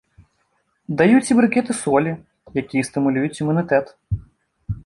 Даюць і брыкеты солі, якія стымулююць імунітэт.